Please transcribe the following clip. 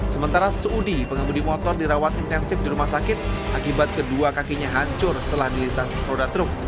sementara suudi pengemudi motor dirawat intensif di rumah sakit akibat kedua kakinya hancur setelah dilintas roda truk